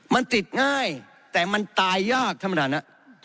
มันติดง่ายแต่มันตายยากธรรมดานะ